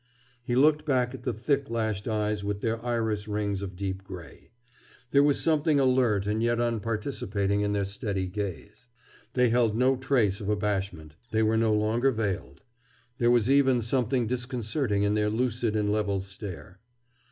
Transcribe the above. He looked back at the thick lashed eyes with their iris rings of deep gray. There was something alert and yet unparticipating in their steady gaze. They held no trace of abashment. They were no longer veiled. There was even something disconcerting in their lucid and level stare.